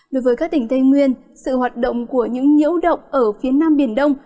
đối với các tỉnh tây nguyên sự hoạt động của những nhiễu động ở phía nam biển đông